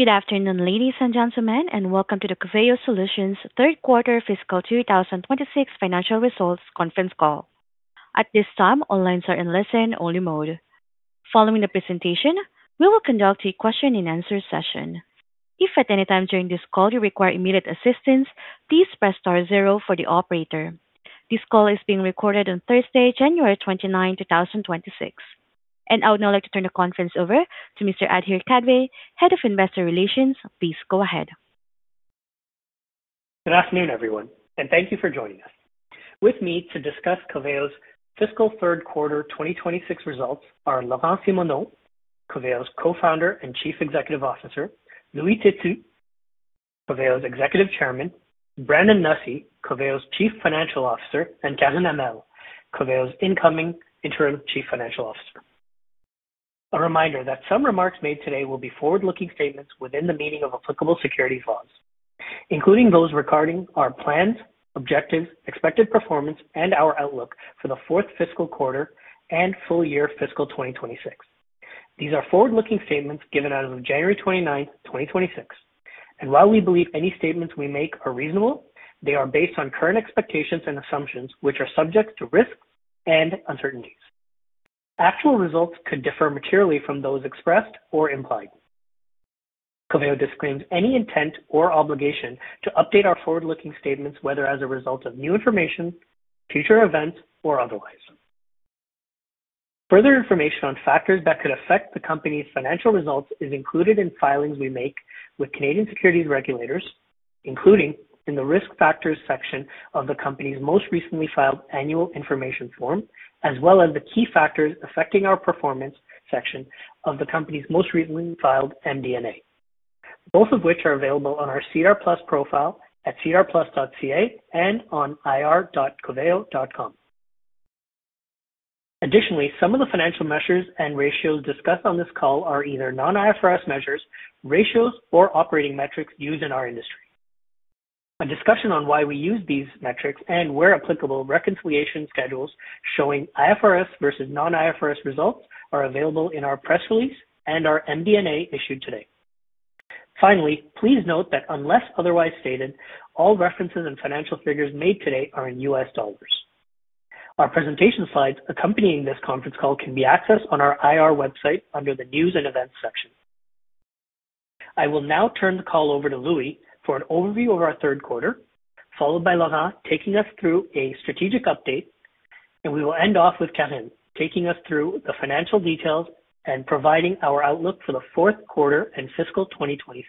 Good afternoon, ladies and gentlemen, and welcome to the Coveo Solutions Q3 2026 financial results conference call. At this time, all lines are in listen-only mode. Following the presentation, we will conduct a question-and-answer session. If at any time during this call you require immediate assistance, please press star zero for the operator. This call is being recorded on Thursday, January 29, 2026. I would now like to turn the conference over to Mr. Adhir Kadve, Head of Investor Relations. Please go ahead. Good afternoon, everyone, and thank you for joining us. With me to discuss Coveo's Q3 2026 results are Laurent Simoneau, Coveo's Co-founder and Chief Executive Officer, Louis Têtu, Coveo's Executive Chairman, Brandon Nussey, Coveo's Chief Financial Officer, and Karine Hamel, Coveo's Incoming Interim Chief Financial Officer. A reminder that some remarks made today will be forward-looking statements within the meaning of applicable securities laws, including those regarding our plans, objectives, expected performance, and our outlook for the fourth fiscal quarter and full year fiscal 2026. These are forward-looking statements given out of January 29, 2026. While we believe any statements we make are reasonable, they are based on current expectations and assumptions, which are subject to risks and uncertainties. Actual results could differ materially from those expressed or implied. Coveo disclaims any intent or obligation to update our forward-looking statements, whether as a result of new information, future events, or otherwise. Further information on factors that could affect the company's financial results is included in filings we make with Canadian securities regulators, including in the risk factors section of the company's most recently filed Annual Information Form, as well as the key factors affecting our performance section of the company's most recently filed MD&A, both of which are available on our SEDAR+ profile at sedarplus.ca and on ir.coveo.com. Additionally, some of the financial measures and ratios discussed on this call are either non-IFRS measures, ratios, or operating metrics used in our industry. A discussion on why we use these metrics and, where applicable, reconciliation schedules showing IFRS versus non-IFRS results are available in our press release and our MD&A issued today. Finally, please note that unless otherwise stated, all references and financial figures made today are in U.S. dollars. Our presentation slides accompanying this conference call can be accessed on our IR website under the news and events section. I will now turn the call over to Louis for an overview of our Q3, followed by Laurent taking us through a strategic update, and we will end off with Karine taking us through the financial details and providing our outlook for the fourth quarter and fiscal 2026.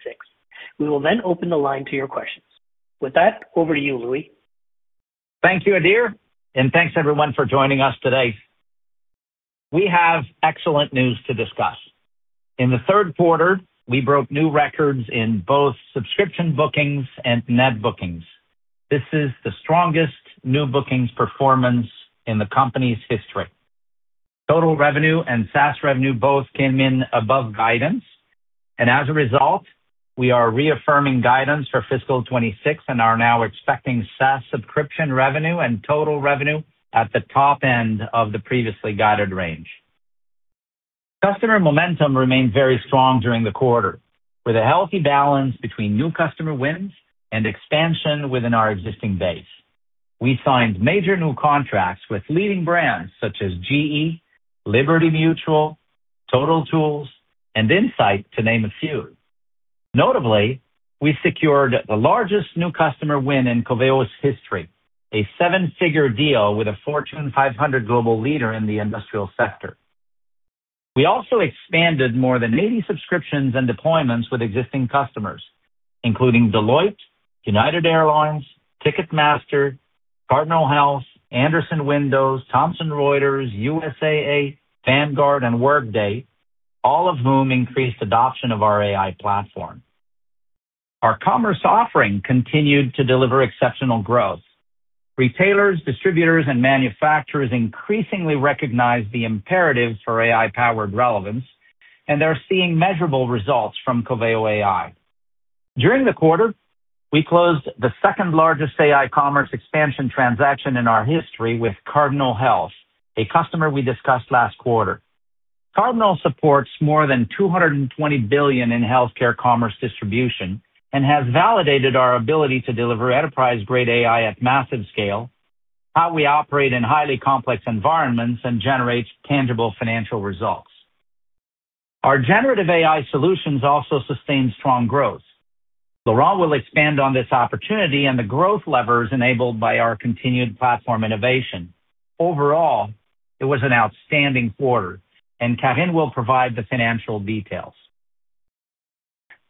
We will then open the line to your questions. With that, over to you, Louis. Thank you, Adhir, and thanks, everyone, for joining us today. We have excellent news to discuss. In the third quarter, we broke new records in both subscription bookings and net bookings. This is the strongest new bookings performance in the company's history. Total revenue and SaaS revenue both came in above guidance, and as a result, we are reaffirming guidance for fiscal 2026 and are now expecting SaaS subscription revenue and total revenue at the top end of the previously guided range. Customer momentum remained very strong during the quarter, with a healthy balance between new customer wins and expansion within our existing base. We signed major new contracts with leading brands such as GE, Liberty Mutual, Total Tools, and Insight, to name a few. Notably, we secured the largest new customer win in Coveo's history, a seven-figure deal with a Fortune 500 global leader in the industrial sector. We also expanded more than 80 subscriptions and deployments with existing customers, including Deloitte, United Airlines, Ticketmaster, Cardinal Health, Andersen Windows, Thomson Reuters, USAA, Vanguard, and Workday, all of whom increased adoption of our AI platform. Our commerce offering continued to deliver exceptional growth. Retailers, distributors, and manufacturers increasingly recognize the imperatives for AI-powered relevance, and they're seeing measurable results from Coveo AI. During the quarter, we closed the second-largest AI commerce expansion transaction in our history with Cardinal Health, a customer we discussed last quarter. Cardinal supports more than $220 billion in healthcare commerce distribution and has validated our ability to deliver enterprise-grade AI at massive scale, how we operate in highly complex environments, and generates tangible financial results. Our generative AI solutions also sustained strong growth. Laurent will expand on this opportunity, and the growth lever is enabled by our continued platform innovation. Overall, it was an outstanding quarter, and Karine will provide the financial details.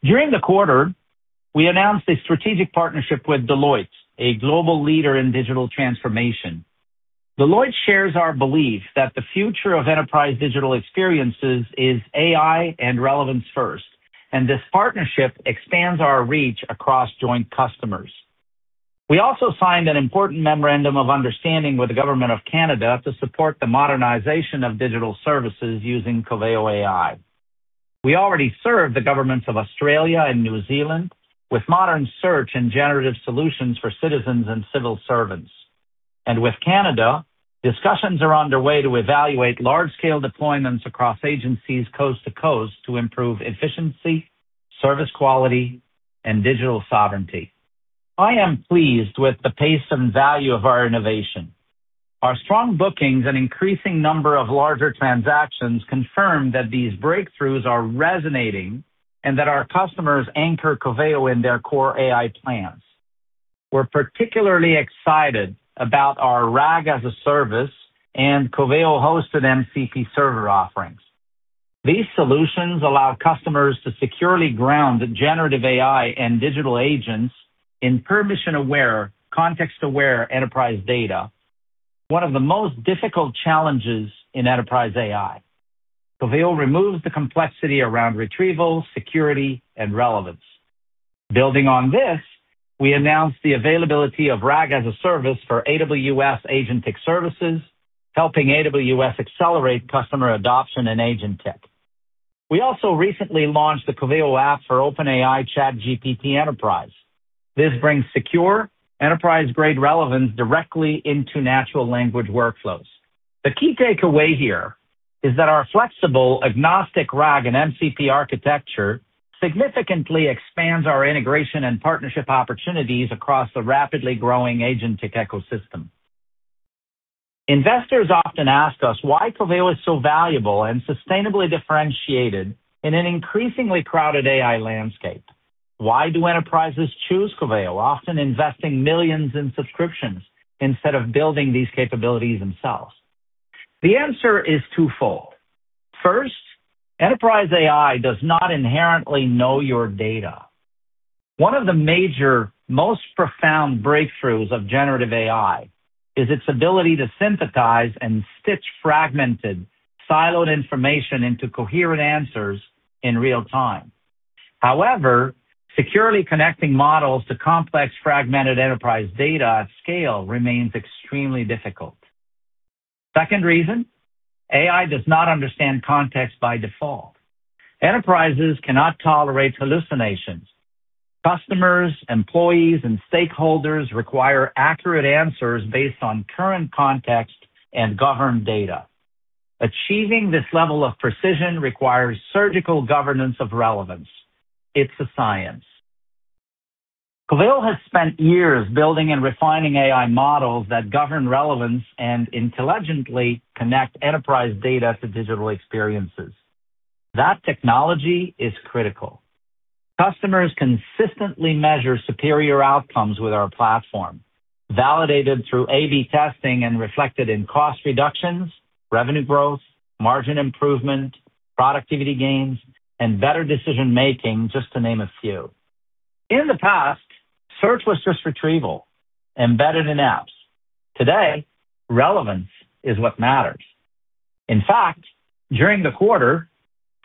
During the quarter, we announced a strategic partnership with Deloitte, a global leader in digital transformation. Deloitte shares our belief that the future of enterprise digital experiences is AI and relevance first, and this partnership expands our reach across joint customers. We also signed an important memorandum of understanding with the Government of Canada to support the modernization of digital services using Coveo AI. We already serve the Governments of Australia and New Zealand with modern search and generative solutions for citizens and civil servants. With Canada, discussions are underway to evaluate large-scale deployments across agencies coast to coast to improve efficiency, service quality, and digital sovereignty. I am pleased with the pace and value of our innovation. Our strong bookings and increasing number of larger transactions confirm that these breakthroughs are resonating and that our customers anchor Coveo in their core AI plans. We're particularly excited about our RAG as a Service and Coveo-hosted MCP Server offerings. These solutions allow customers to securely ground generative AI and digital agents in permission-aware, context-aware enterprise data, one of the most difficult challenges in enterprise AI. Coveo removes the complexity around retrieval, security, and relevance. Building on this, we announced the availability of RAG as a Service for AWS Agentic Services, helping AWS accelerate customer adoption and agentic. We also recently launched the Coveo App for OpenAI ChatGPT Enterprise. This brings secure enterprise-grade relevance directly into natural language workflows. The key takeaway here is that our flexible, agnostic RAG and MCP architecture significantly expands our integration and partnership opportunities across the rapidly growing agentic ecosystem. Investors often ask us why Coveo is so valuable and sustainably differentiated in an increasingly crowded AI landscape. Why do enterprises choose Coveo, often investing millions in subscriptions instead of building these capabilities themselves? The answer is twofold. First, enterprise AI does not inherently know your data. One of the major, most profound breakthroughs of generative AI is its ability to synthesize and stitch fragmented, siloed information into coherent answers in real time. However, securely connecting models to complex, fragmented enterprise data at scale remains extremely difficult. Second reason, AI does not understand context by default. Enterprises cannot tolerate hallucinations. Customers, employees, and stakeholders require accurate answers based on current context and governed data. Achieving this level of precision requires surgical governance of relevance. It's a science. Coveo has spent years building and refining AI models that govern relevance and intelligently connect enterprise data to digital experiences. That technology is critical. Customers consistently measure superior outcomes with our platform, validated through A/B testing and reflected in cost reductions, revenue growth, margin improvement, productivity gains, and better decision-making, just to name a few. In the past, search was just retrieval, embedded in apps. Today, relevance is what matters. In fact, during the quarter,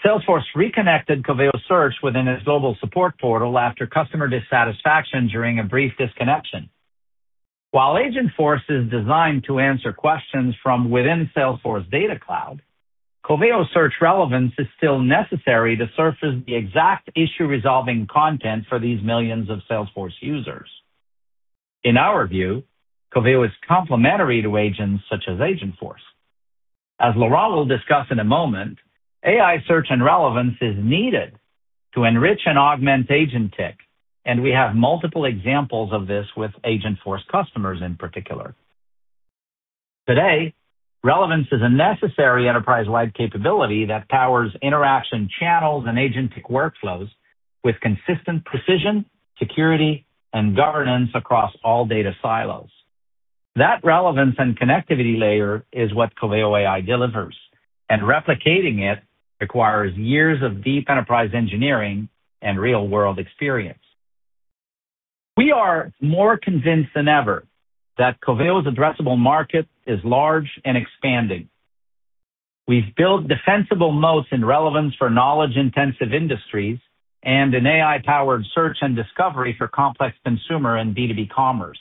Salesforce reconnected Coveo Search within its global support portal after customer dissatisfaction during a brief disconnection. While Agentforce is designed to answer questions from within Salesforce Data Cloud, Coveo Search relevance is still necessary to surface the exact issue-resolving content for these millions of Salesforce users. In our view, Coveo is complementary to agents such as Agentforce. As Laurent will discuss in a moment, AI search and relevance is needed to enrich and augment Agentic, and we have multiple examples of this with Agentforce customers in particular. Today, relevance is a necessary enterprise-wide capability that powers interaction channels and Agentic workflows with consistent precision, security, and governance across all data silos. That relevance and connectivity layer is what Coveo AI delivers, and replicating it requires years of deep enterprise engineering and real-world experience. We are more convinced than ever that Coveo's addressable market is large and expanding. We've built defensible moats in relevance for knowledge-intensive industries and an AI-powered search and discovery for complex consumer and B2B commerce.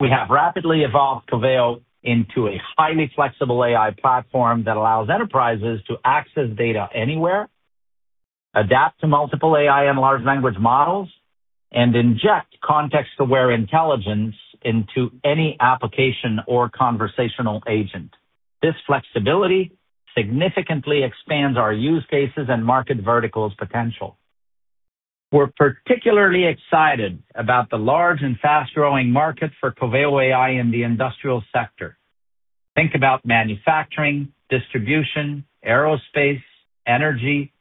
We have rapidly evolved Coveo into a highly flexible AI platform that allows enterprises to access data anywhere, adapt to multiple AI and large language models, and inject context-aware intelligence into any application or conversational agent. This flexibility significantly expands our use cases and market verticals' potential. We're particularly excited about the large and fast-growing market for Coveo AI in the industrial sector. Think about manufacturing, distribution, aerospace, energy,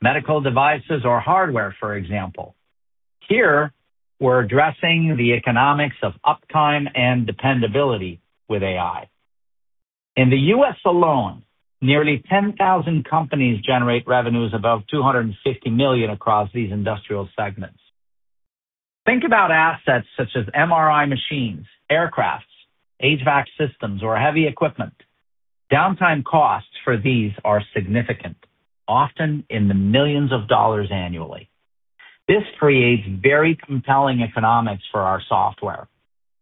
medical devices, or hardware, for example. Here, we're addressing the economics of uptime and dependability with AI. In the U.S. alone, nearly 10,000 companies generate revenues above $250 million across these industrial segments. Think about assets such as MRI machines, aircraft, HVAC systems, or heavy equipment. Downtime costs for these are significant, often in the millions of dollars annually. This creates very compelling economics for our software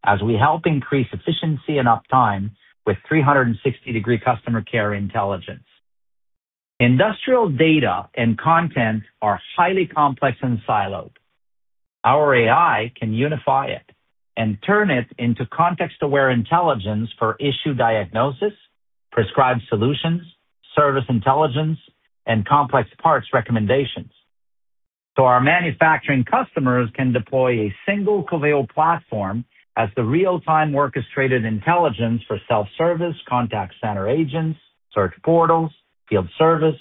as we help increase efficiency and uptime with 360-degree customer care intelligence. Industrial data and content are highly complex and siloed. Our AI can unify it and turn it into context-aware intelligence for issue diagnosis, prescribed solutions, service intelligence, and complex parts recommendations. So our manufacturing customers can deploy a single Coveo platform as the real-time orchestrated intelligence for self-service, contact center agents, search portals, field service,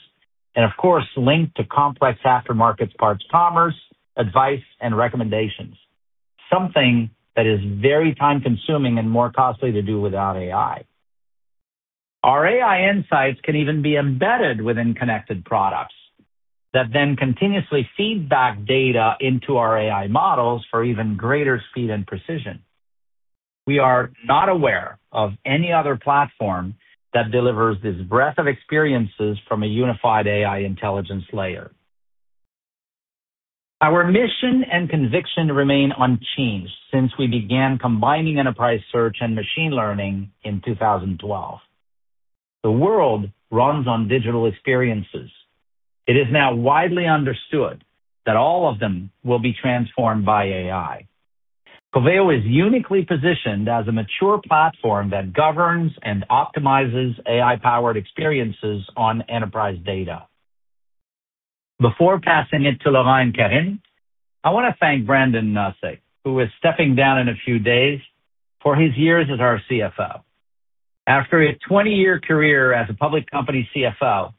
and, of course, linked to complex aftermarket parts commerce, advice, and recommendations, something that is very time-consuming and more costly to do without AI. Our AI insights can even be embedded within connected products that then continuously feed back data into our AI models for even greater speed and precision. We are not aware of any other platform that delivers this breadth of experiences from a unified AI intelligence layer. Our mission and conviction remain unchanged since we began combining enterprise search and machine learning in 2012. The world runs on digital experiences. It is now widely understood that all of them will be transformed by AI. Coveo is uniquely positioned as a mature platform that governs and optimizes AI-powered experiences on enterprise data. Before passing it to Laurent and Karine, I want to thank Brandon Nussey, who is stepping down in a few days, for his years as our CFO. After a 20-year career as a public company CFO,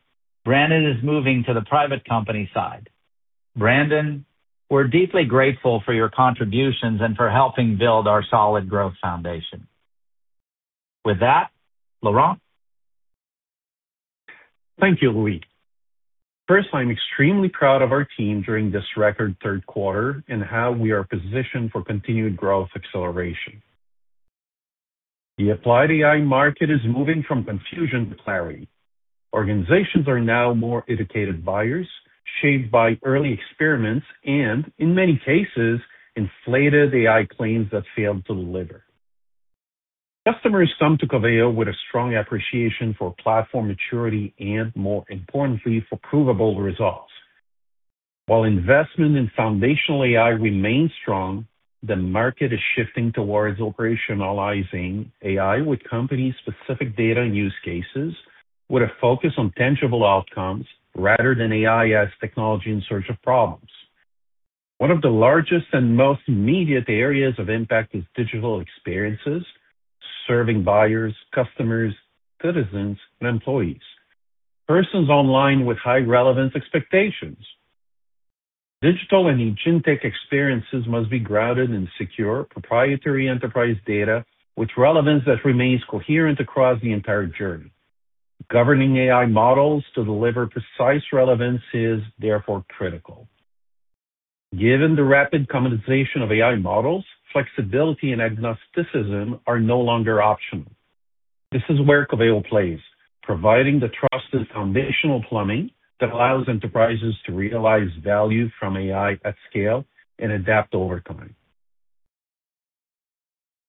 Brandon is moving to the private company side. Brandon, we're deeply grateful for your contributions and for helping build our solid growth foundation. With that, Laurent? Thank you, Louis. First, I'm extremely proud of our team during this record third quarter and how we are positioned for continued growth acceleration. The applied AI market is moving from confusion to clarity. Organizations are now more educated buyers, shaped by early experiments and, in many cases, inflated AI claims that failed to deliver. Customers come to Coveo with a strong appreciation for platform maturity and, more importantly, for provable results. While investment in foundational AI remains strong, the market is shifting towards operationalizing AI with company-specific data and use cases, with a focus on tangible outcomes rather than AI as technology in search of problems. One of the largest and most immediate areas of impact is digital experiences serving buyers, customers, citizens, and employees, persons online with high relevance expectations. Digital and Agentic experiences must be grounded in secure, proprietary enterprise data with relevance that remains coherent across the entire journey. Governing AI models to deliver precise relevance is therefore critical. Given the rapid commoditization of AI models, flexibility and agnosticism are no longer optional. This is where Coveo plays, providing the trusted foundational plumbing that allows enterprises to realize value from AI at scale and adapt over time.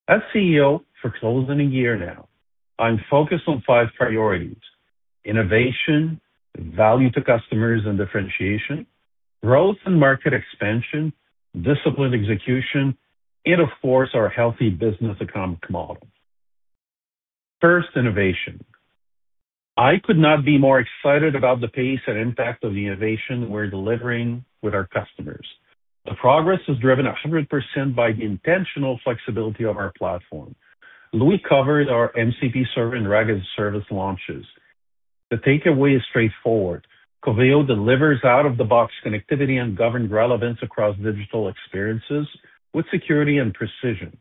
As CEO for close to a year now, I'm focused on five priorities: innovation, value to customers and differentiation, growth and market expansion, discipline execution, and, of course, our healthy business economic model. First, innovation. I could not be more excited about the pace and impact of the innovation we're delivering with our customers. The progress is driven 100% by the intentional flexibility of our platform. Louis covered our MCP server and RAG as a Service launches. The takeaway is straightforward. Coveo delivers out-of-the-box connectivity and governed relevance across digital experiences with security and precision.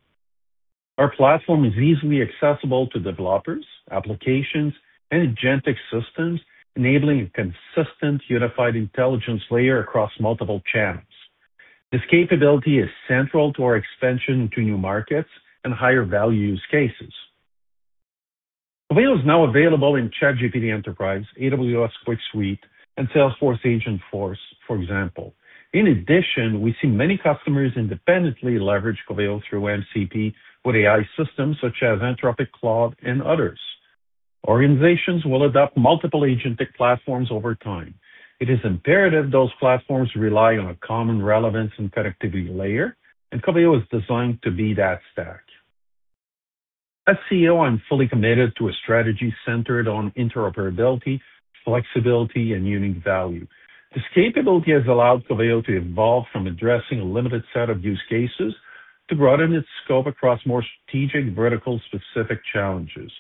Our platform is easily accessible to developers, applications, and Agentic systems, enabling a consistent unified intelligence layer across multiple channels. This capability is central to our expansion into new markets and higher value use cases. Coveo is now available in ChatGPT Enterprise, AWS QuickSight, and Salesforce Agentforce, for example. In addition, we see many customers independently leverage Coveo through MCP with AI systems such as Anthropic Claude and others. Organizations will adopt multiple Agentic platforms over time. It is imperative those platforms rely on a common relevance and connectivity layer, and Coveo is designed to be that stack. As CEO, I'm fully committed to a strategy centered on interoperability, flexibility, and unique value. This capability has allowed Coveo to evolve from addressing a limited set of use cases to broaden its scope across more strategic, vertical-specific challenges.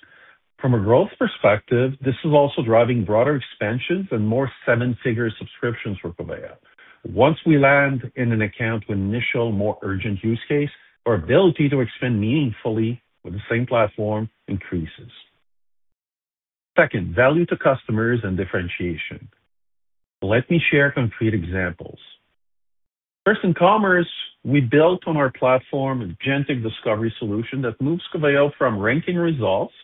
From a growth perspective, this is also driving broader expansions and more seven-figure subscriptions for Coveo. Once we land in an account with an initial, more urgent use case, our ability to expand meaningfully with the same platform increases. Second, value to customers and differentiation. Let me share concrete examples. First, in commerce, we built on our platform, Agentic Discovery Solution, that moves Coveo from ranking results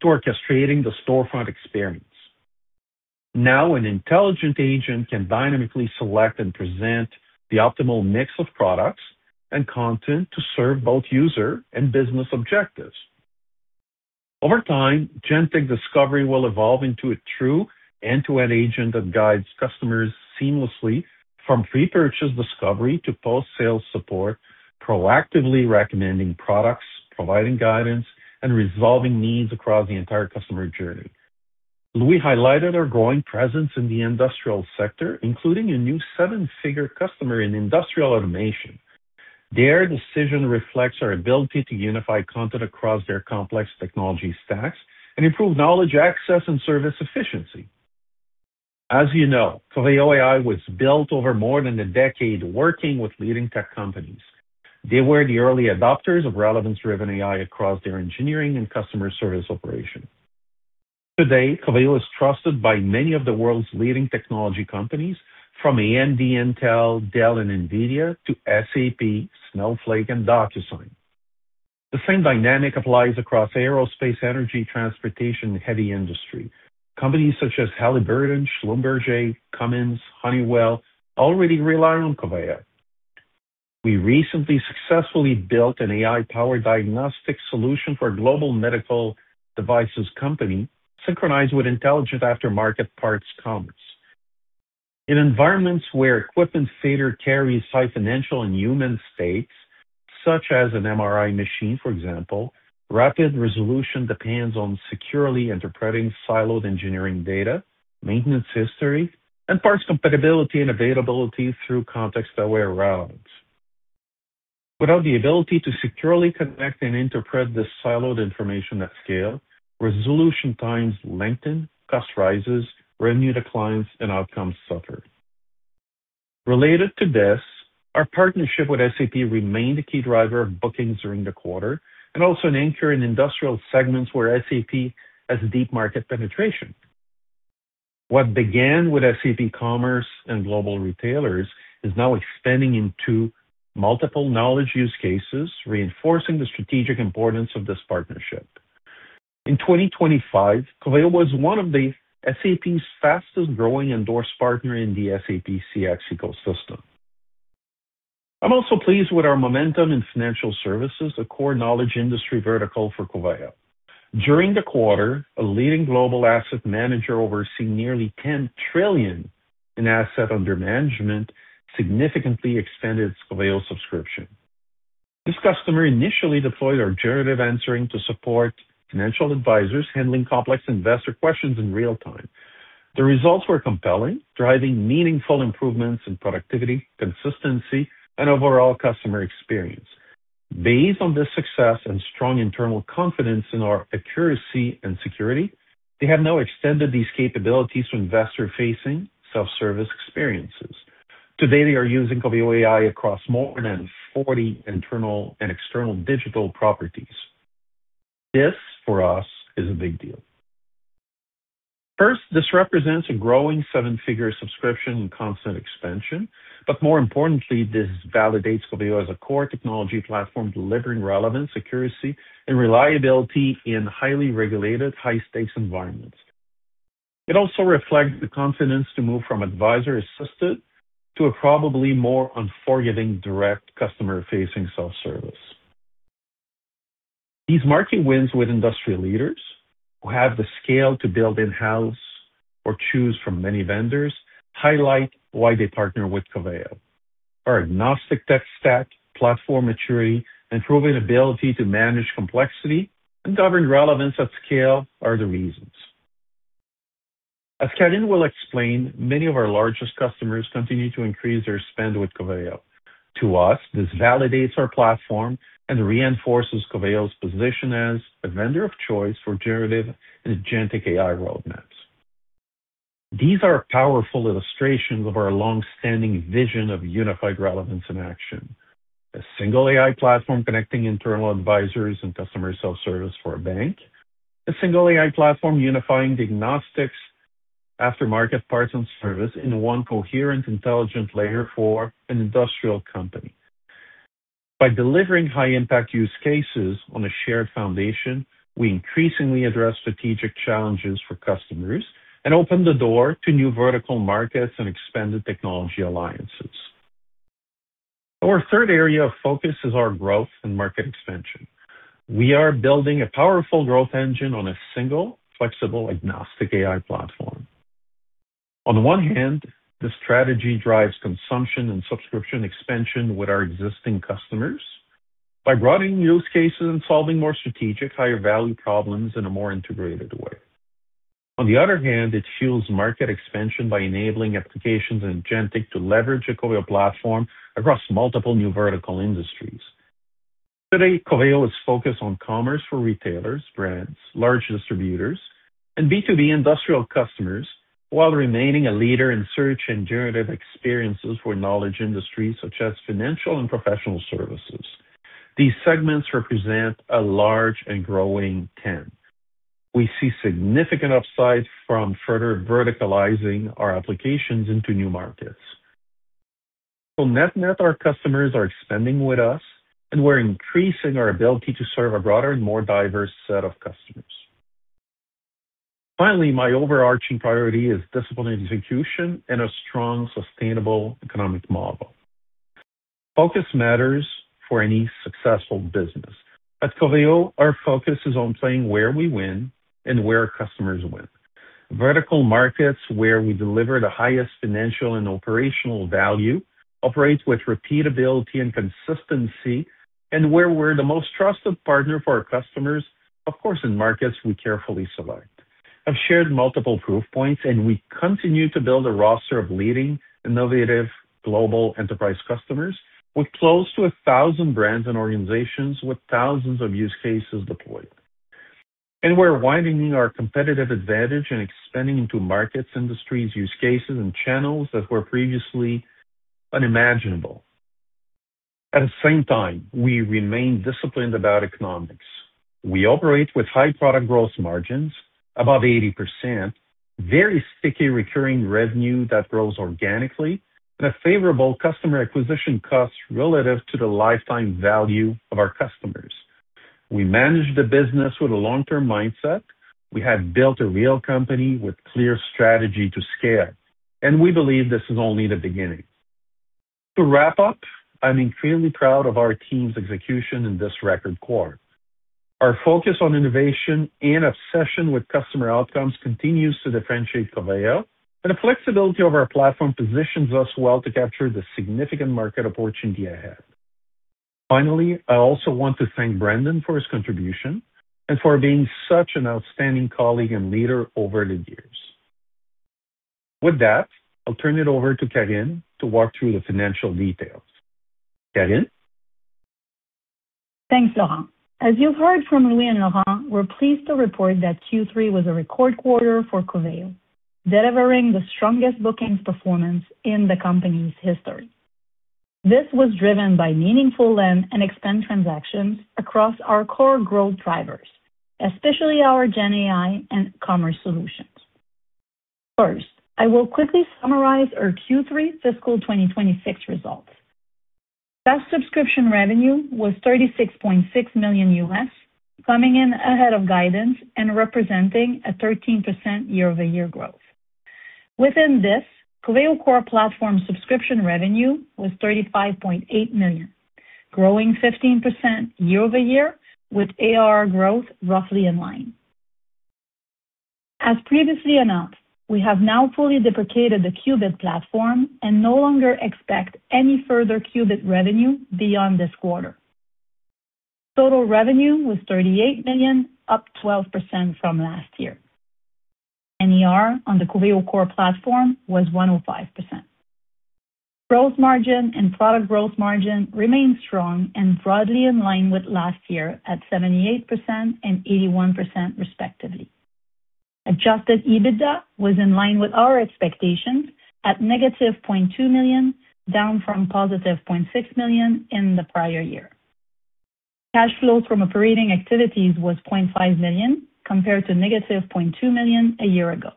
to orchestrating the storefront experience. Now, an intelligent agent can dynamically select and present the optimal mix of products and content to serve both user and business objectives. Over time, Agentic Discovery will evolve into a true end-to-end agent that guides customers seamlessly from pre-purchase discovery to post-sales support, proactively recommending products, providing guidance, and resolving needs across the entire customer journey. Louis highlighted our growing presence in the industrial sector, including a new seven-figure customer in industrial automation. Their decision reflects our ability to unify content across their complex technology stacks and improve knowledge access and service efficiency. As you know, Coveo AI was built over more than a decade, working with leading tech companies. They were the early adopters of relevance-driven AI across their engineering and customer service operations. Today, Coveo is trusted by many of the world's leading technology companies, from AMD, Intel, Dell, and NVIDIA to SAP, Snowflake, and DocuSign. The same dynamic applies across aerospace, energy, transportation, and heavy industry. Companies such as Halliburton, Schlumberger, Cummins, and Honeywell already rely on Coveo. We recently successfully built an AI-powered diagnostic solution for a global medical devices company, synchronized with intelligent aftermarket parts commerce. In environments where equipment failure carries high financial and human stakes, such as an MRI machine, for example, rapid resolution depends on securely interpreting siloed engineering data, maintenance history, and parts compatibility and availability through context-aware relevance. Without the ability to securely connect and interpret this siloed information at scale, resolution times lengthen, costs rise, revenue declines, and outcomes suffer. Related to this, our partnership with SAP remained a key driver of bookings during the quarter and also an anchor in industrial segments where SAP has deep market penetration. What began with SAP Commerce and global retailers is now expanding into multiple knowledge use cases, reinforcing the strategic importance of this partnership. In 2025, Coveo was one of SAP's fastest-growing endorsed partners in the SAP CX ecosystem. I'm also pleased with our momentum in financial services, a core knowledge industry vertical for Coveo. During the quarter, a leading global asset manager overseeing nearly $10 trillion in assets under management significantly expanded its Coveo subscription. This customer initially deployed our Generative Answering to support financial advisors handling complex investor questions in real time. The results were compelling, driving meaningful improvements in productivity, consistency, and overall customer experience. Based on this success and strong internal confidence in our accuracy and security, they have now extended these capabilities to investor-facing self-service experiences. Today, they are using Coveo AI across more than 40 internal and external digital properties. This, for us, is a big deal. First, this represents a growing seven-figure subscription and constant expansion, but more importantly, this validates Coveo as a core technology platform delivering relevance, accuracy, and reliability in highly regulated, high-stakes environments. It also reflects the confidence to move from advisor-assisted to a probably more unforgiving direct customer-facing self-service. These market wins with industrial leaders who have the scale to build in-house or choose from many vendors highlight why they partner with Coveo. Our agnostic tech stack, platform maturity, and proven ability to manage complexity and govern relevance at scale are the reasons. As Karine will explain, many of our largest customers continue to increase their spend with Coveo. To us, this validates our platform and reinforces Coveo's position as a vendor of choice for Generative and Agentic AI roadmaps. These are powerful illustrations of our long-standing vision of unified relevance in action: a single AI platform connecting internal advisors and customer self-service for a bank, a single AI platform unifying the agnostic, aftermarket parts, and service in one coherent, intelligent layer for an industrial company. By delivering high-impact use cases on a shared foundation, we increasingly address strategic challenges for customers and open the door to new vertical markets and expanded technology alliances. Our third area of focus is our growth and market expansion. We are building a powerful growth engine on a single, flexible, agnostic AI platform. On the one hand, the strategy drives consumption and subscription expansion with our existing customers by broadening use cases and solving more strategic, higher-value problems in a more integrated way. On the other hand, it fuels market expansion by enabling applications and Agentic to leverage a Coveo platform across multiple new vertical industries. Today, Coveo is focused on commerce for retailers, brands, large distributors, and B2B industrial customers while remaining a leader in search and generative experiences for knowledge industries such as financial and professional services. These segments represent a large and growing trend. We see significant upside from further verticalizing our applications into new markets. So net-net our customers are expanding with us, and we're increasing our ability to serve a broader and more diverse set of customers. Finally, my overarching priority is discipline execution and a strong, sustainable economic model. Focus matters for any successful business. At Coveo, our focus is on playing where we win and where customers win. Vertical markets where we deliver the highest financial and operational value, operate with repeatability and consistency, and where we're the most trusted partner for our customers, of course, in markets we carefully select. I've shared multiple proof points, and we continue to build a roster of leading, innovative, global enterprise customers with close to 1,000 brands and organizations with thousands of use cases deployed. We're widening our competitive advantage and expanding into markets, industries, use cases, and channels that were previously unimaginable. At the same time, we remain disciplined about economics. We operate with high product gross margins, about 80%, very sticky recurring revenue that grows organically, and a favorable customer acquisition cost relative to the lifetime value of our customers. We manage the business with a long-term mindset. We have built a real company with a clear strategy to scale, and we believe this is only the beginning. To wrap up, I'm incredibly proud of our team's execution in this record quarter. Our focus on innovation and obsession with customer outcomes continues to differentiate Coveo, and the flexibility of our platform positions us well to capture the significant market opportunity ahead. Finally, I also want to thank Brandon for his contribution and for being such an outstanding colleague and leader over the years. With that, I'll turn it over to Karine to walk through the financial details. Karine? Thanks, Laurent. As you've heard from Louis and Laurent, we're pleased to report that Q3 was a record quarter for Coveo, delivering the strongest bookings performance in the company's history. This was driven by meaningful land and expand transactions across our core growth drivers, especially our GenAI and commerce solutions. First, I will quickly summarize our Q3 fiscal 2026 results. SaaS subscription revenue was $36.6 million, coming in ahead of guidance and representing a 13% year-over-year growth. Within this, Coveo core platform subscription revenue was $35.8 million, growing 15% year-over-year with ARR growth roughly in line. As previously announced, we have now fully deprecated the Qubit platform and no longer expect any further Qubit revenue beyond this quarter. Total revenue was $38 million, up 12% from last year. NER on the Coveo core platform was 105%. Gross margin and product gross margin remained strong and broadly in line with last year at 78% and 81%, respectively. Adjusted EBITDA was in line with our expectations at -$0.2 million, down from $0.6 million in the prior year. Cash flow from operating activities was $0.5 million compared to -$0.2 million a year ago.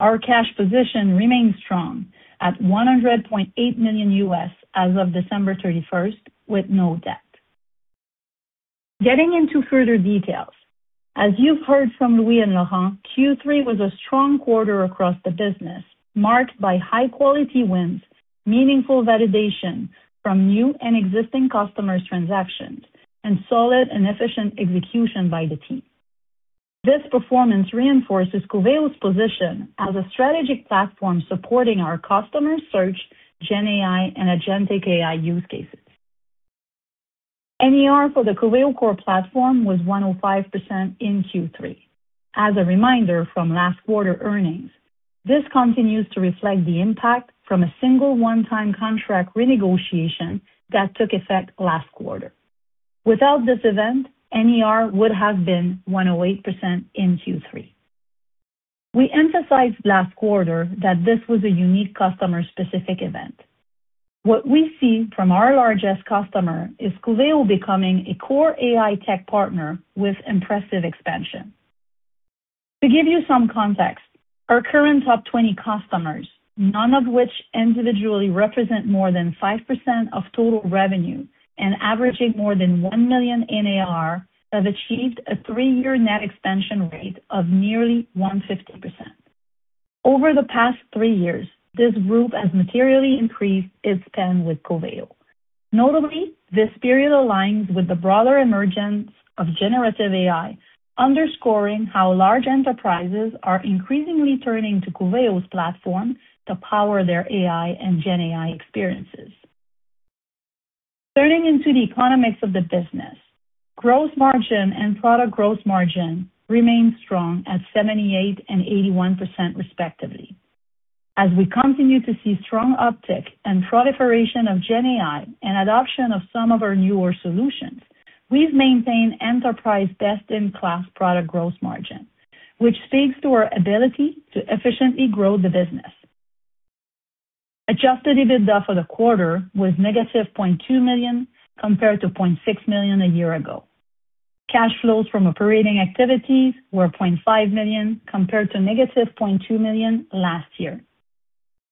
Our cash position remains strong at $100.8 million as of December 31st, with no debt. Getting into further details, as you've heard from Louis and Laurent, Q3 was a strong quarter across the business, marked by high-quality wins, meaningful validation from new and existing customers' transactions, and solid and efficient execution by the team. This performance reinforces Coveo's position as a strategic platform supporting our customer search, GenAI, and Agentic AI use cases. NER for the Coveo core platform was 105% in Q3. As a reminder from last quarter earnings, this continues to reflect the impact from a single one-time contract renegotiation that took effect last quarter. Without this event, NER would have been 108% in Q3. We emphasized last quarter that this was a unique customer-specific event. What we see from our largest customer is Coveo becoming a core AI tech partner with impressive expansion. To give you some context, our current top 20 customers, none of which individually represent more than 5% of total revenue and averaging more than $1 million in ARR, have achieved a three-year net expansion rate of nearly 150%. Over the past three years, this group has materially increased its spend with Coveo. Notably, this period aligns with the broader emergence of generative AI, underscoring how large enterprises are increasingly turning to Coveo's platform to power their AI and GenAI experiences. Turning into the economics of the business, gross margin and product gross margin remain strong at 78% and 81%, respectively. As we continue to see strong uptick and proliferation of GenAI and adoption of some of our newer solutions, we've maintained enterprise best-in-class product gross margin, which speaks to our ability to efficiently grow the business. Adjusted EBITDA for the quarter was -$0.2 million compared to $0.6 million a year ago. Cash flows from operating activities were $0.5 million compared to -$0.2 million last year.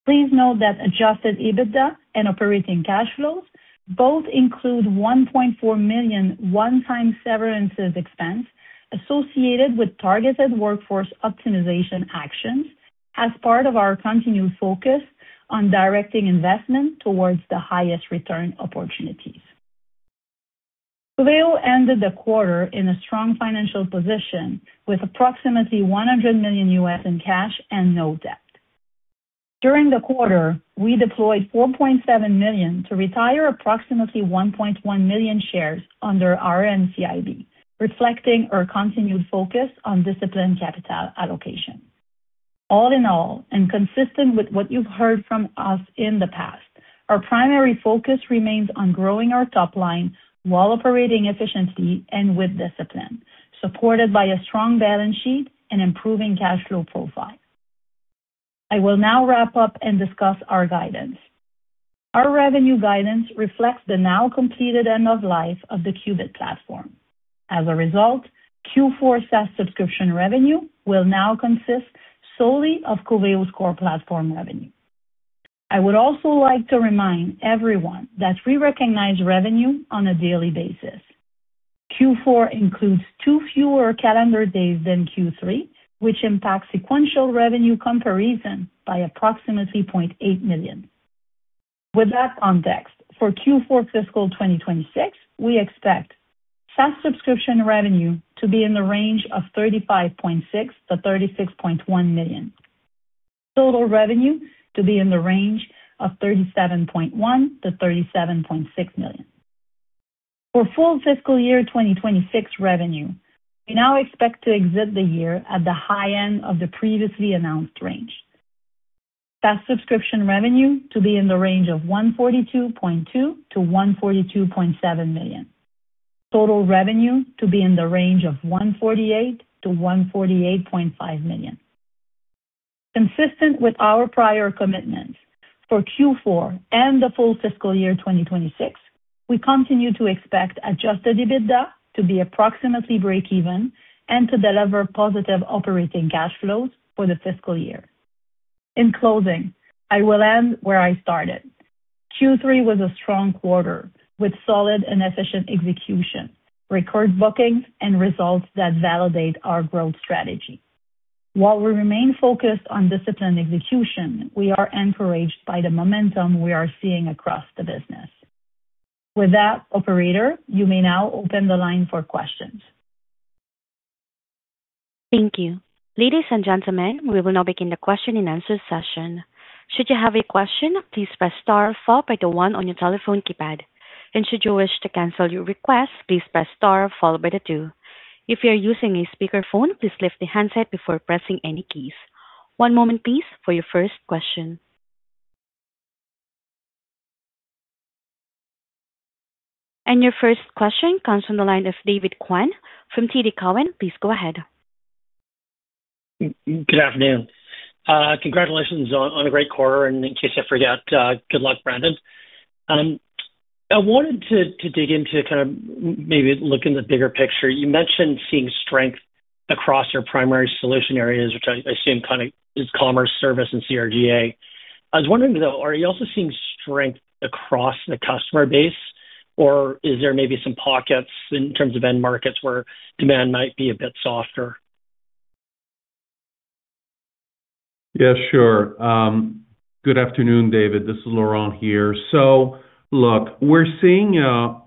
Please note that adjusted EBITDA and operating cash flows both include $1.4 million one-time severance expense associated with targeted workforce optimization actions as part of our continued focus on directing investment towards the highest return opportunities. Coveo ended the quarter in a strong financial position with approximately $100 million in cash and no debt. During the quarter, we deployed $4.7 million to retire approximately 1.1 million shares under NCIB, reflecting our continued focus on discipline capital allocation. All in all, and consistent with what you've heard from us in the past, our primary focus remains on growing our top line while operating efficiently and with discipline, supported by a strong balance sheet and improving cash flow profile. I will now wrap up and discuss our guidance. Our revenue guidance reflects the now completed end of life of the Qubit platform. As a result, Q4 SaaS subscription revenue will now consist solely of Coveo's core platform revenue. I would also like to remind everyone that we recognize revenue on a daily basis. Q4 includes two fewer calendar days than Q3, which impacts sequential revenue comparison by approximately $0.8 million. With that context, for Q4 fiscal 2026, we expect SaaS subscription revenue to be in the range of $35.6 million-$36.1 million. Total revenue to be in the range of $37.1 million-$37.6 million. For full fiscal year 2026 revenue, we now expect to exit the year at the high end of the previously announced range. SaaS subscription revenue to be in the range of $142.2 million-$142.7 million. Total revenue to be in the range of $148 million-$148.5 million. Consistent with our prior commitments for Q4 and the full fiscal year 2026, we continue to expect adjusted EBITDA to be approximately break-even and to deliver positive operating cash flows for the fiscal year. In closing, I will end where I started. Q3 was a strong quarter with solid and efficient execution, record bookings, and results that validate our growth strategy. While we remain focused on disciplined execution, we are encouraged by the momentum we are seeing across the business. With that, operator, you may now open the line for questions. Thank you. Ladies and gentlemen, we will now begin the question-and-answer session. Should you have a question, please press star followed by the one on your telephone keypad. And should you wish to cancel your request, please press star followed by the two. If you're using a speakerphone, please lift the handset before pressing any keys. One moment, please, for your first question. And your first question comes from the line of David Kwan from TD Cowen. Please go ahead. Good afternoon. Congratulations on a great quarter. And in case I forget, good luck, Brandon. I wanted to dig into kind of maybe looking at the bigger picture. You mentioned seeing strength across your primary solution areas, which I assume kind of is commerce, service, and CRGA. I was wondering, though, are you also seeing strength across the customer base, or is there maybe some pockets in terms of end markets where demand might be a bit softer? Yeah, sure. Good afternoon, David. This is Laurent here. So look, we're seeing a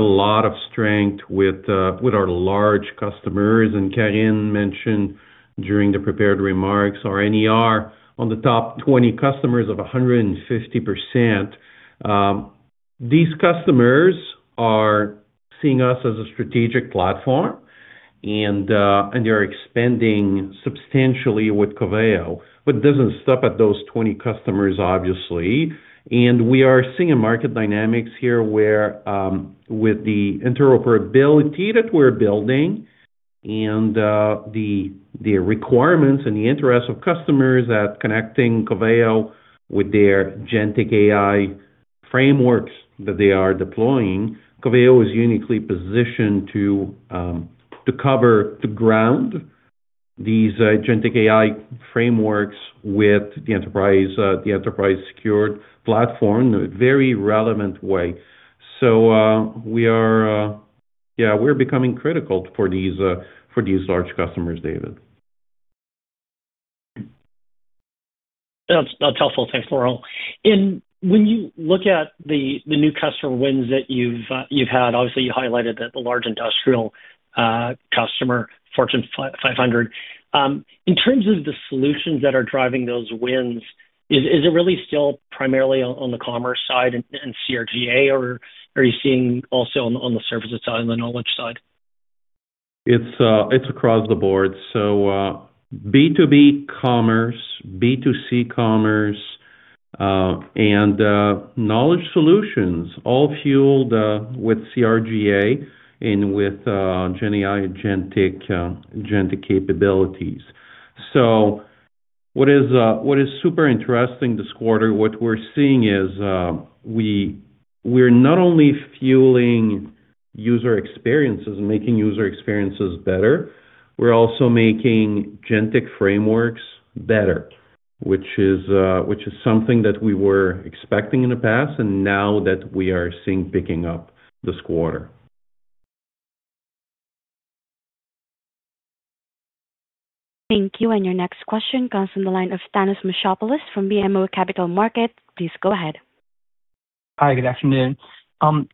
lot of strength with our large customers. Karine mentioned during the prepared remarks, our NER on the top 20 customers of 150%. These customers are seeing us as a strategic platform, and they're expanding substantially with Coveo, but it doesn't stop at those 20 customers, obviously. We are seeing market dynamics here with the interoperability that we're building and the requirements and the interest of customers that connecting Coveo with their GenAI frameworks that they are deploying. Coveo is uniquely positioned to cover, to ground these GenAI frameworks with the enterprise-secured platform in a very relevant way. So yeah, we're becoming critical for these large customers, David. That's helpful. Thanks, Laurent. When you look at the new customer wins that you've had, obviously, you highlighted that the large industrial customer, Fortune 500. In terms of the solutions that are driving those wins, is it really still primarily on the commerce side and CRGA, or are you seeing also on the services side and the knowledge side? It's across the board. So B2B commerce, B2C commerce, and knowledge solutions all fueled with CRGA and with GenAI, agentic capabilities. So what is super interesting this quarter, what we're seeing is we're not only fueling user experiences and making user experiences better, we're also making agentic frameworks better, which is something that we were expecting in the past and now that we are seeing picking up this quarter. Thank you. And your next question comes from the line of Thanos Moschopoulos from BMO Capital Markets. Please go ahead. Hi, good afternoon. Can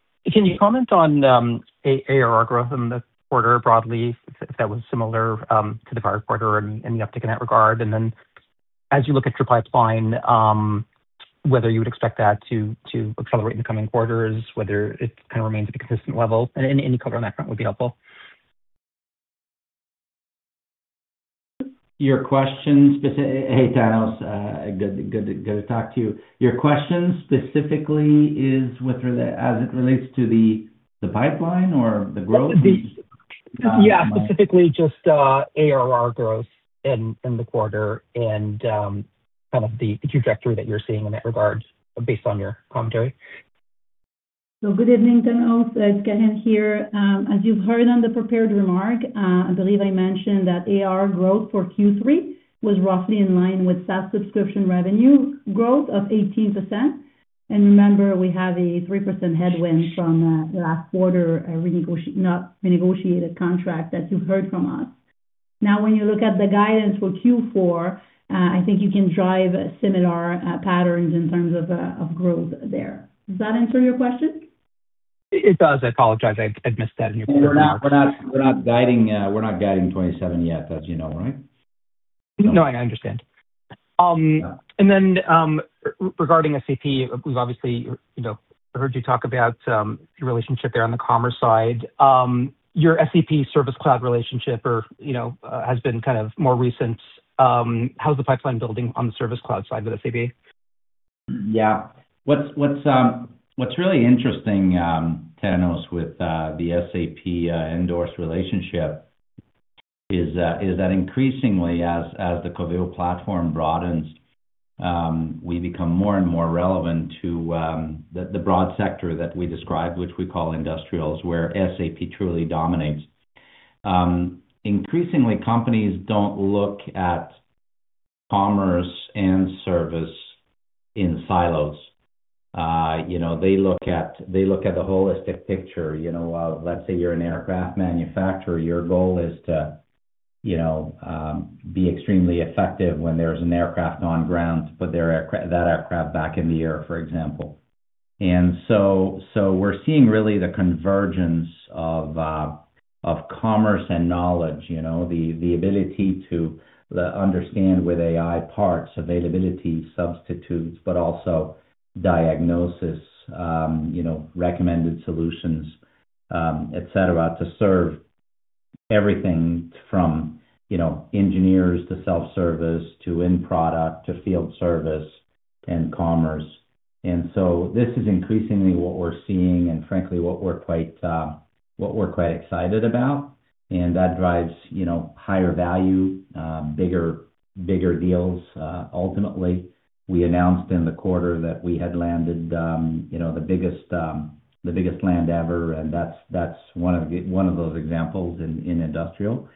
you comment on ARR algorithm this quarter broadly, if that was similar to the prior quarter and the uptick in that regard? And then as you look at churn playing out, whether you would expect that to accelerate in the coming quarters, whether it kind of remains at a consistent level, and any color on that front would be helpful. Your question specifically, hey, Thanos, good to talk to you. Your question specifically is as it relates to the pipeline or the growth? Yeah, specifically just ARR growth in the quarter and kind of the trajectory that you're seeing in that regard based on your commentary. So good evening, Thanos. It's Karine here. As you've heard on the prepared remarks, I believe I mentioned that ARR growth for Q3 was roughly in line with last subscription revenue growth of 18%. And remember, we have a 3% headwind from the last quarter renegotiated contract that you heard from us. Now, when you look at the guidance for Q4, I think you can drive similar patterns in terms of growth there. Does that answer your question? It does. I apologize. I missed that in your question. We're not guiding 27 yet, as you know, right? No, I understand. And then regarding SAP, we've obviously heard you talk about your relationship there on the commerce side. Your SAP Service Cloud relationship has been kind of more recent. How's the pipeline building on the Service Cloud side with SAP? Yeah. What's really interesting, Thanos, with the SAP-endorsed relationship is that increasingly, as the Coveo platform broadens, we become more and more relevant to the broad sector that we described, which we call industrials, where SAP truly dominates. Increasingly, companies don't look at commerce and service in silos. They look at the holistic picture. Let's say you're an aircraft manufacturer. Your goal is to be extremely effective when there's an aircraft on the ground to put that aircraft back in the air, for example. So we're seeing really the convergence of commerce and knowledge, the ability to understand with AI parts, availability, substitutes, but also diagnosis, recommended solutions, etc., to serve everything from engineers to self-service to end product to field service and commerce. So this is increasingly what we're seeing and, frankly, what we're quite excited about. That drives higher value, bigger deals. Ultimately, we announced in the quarter that we had landed the biggest deal ever, and that's one of those examples in industrial.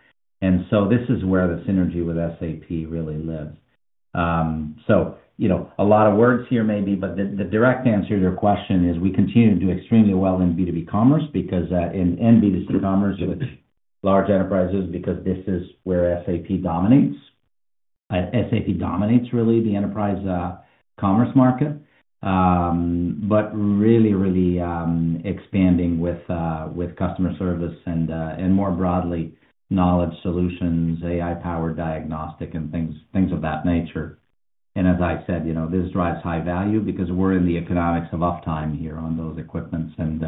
So this is where the synergy with SAP really lives. So a lot of words here maybe, but the direct answer to your question is we continue to do extremely well in B2B commerce and B2C commerce with large enterprises because this is where SAP dominates. SAP dominates really the enterprise commerce market, but really, really expanding with customer service and more broadly knowledge solutions, AI-powered diagnostic, and things of that nature. And as I said, this drives high value because we're in the economics of uptime here on those equipments, and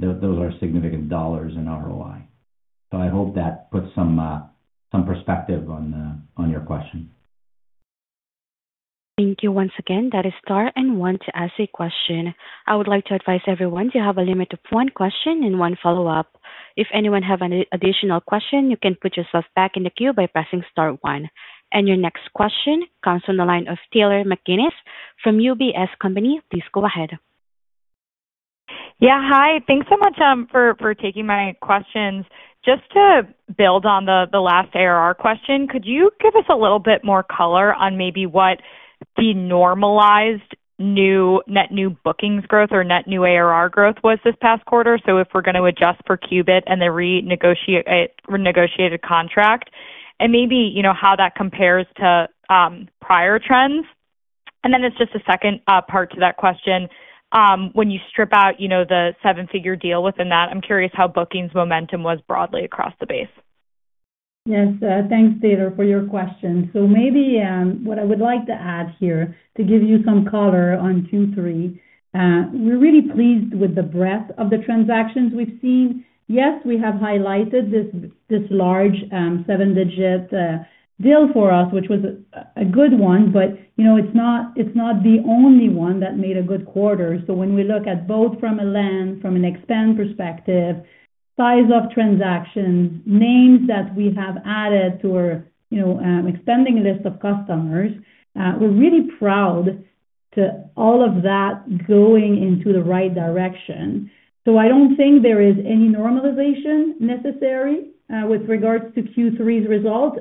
those are significant dollars in ROI. So I hope that puts some perspective on your question. Thank you once again. That is star and one to ask a question. I would like to advise everyone to have a limit of one question and one follow-up. If anyone has an additional question, you can put yourself back in the queue by pressing star one. Your next question comes from the line of Taylor McGinnis from UBS. Please go ahead. Yeah, hi. Thanks so much for taking my questions. Just to build on the last ARR question, could you give us a little bit more color on maybe what the normalized net new bookings growth or net new ARR growth was this past quarter? So if we're going to adjust for Qubit and the renegotiated contract, and maybe how that compares to prior trends. And then it's just a second part to that question. When you strip out the seven-figure deal within that, I'm curious how bookings momentum was broadly across the base. Yes. Thanks, Taylor, for your question. So maybe what I would like to add here to give you some color on Q3. We're really pleased with the breadth of the transactions we've seen. Yes, we have highlighted this large seven-digit deal for us, which was a good one, but it's not the only one that made a good quarter. So when we look at both from a land, from an expand perspective, size of transactions, names that we have added to our expanding list of customers, we're really proud to all of that going into the right direction. So I don't think there is any normalization necessary with regards to Q3's result.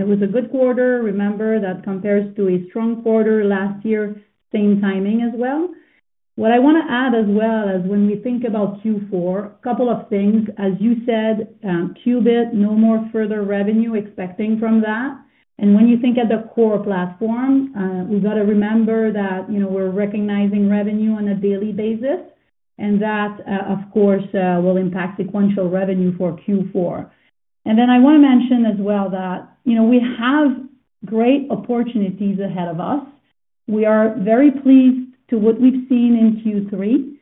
It was a good quarter. Remember that compares to a strong quarter last year, same timing as well. What I want to add as well is when we think about Q4, a couple of things. As you said, Qubit, no more further revenue expecting from that. When you think of the core platform, we've got to remember that we're recognizing revenue on a daily basis, and that, of course, will impact sequential revenue for Q4. Then I want to mention as well that we have great opportunities ahead of us. We are very pleased to what we've seen in Q3.